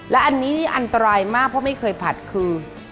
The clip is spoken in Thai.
และอันนี้นี่อันตรายมากเพราะไม่เคยผัดคือ